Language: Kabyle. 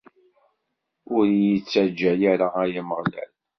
Ur iyi-ttaǧǧa ara, ay Ameɣlal!